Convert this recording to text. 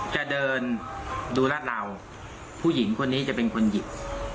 จะเดินดูรัดราวผู้หญิงคนนี้จะเป็นคนหยิบ